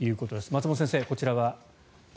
松本先生、こちらは。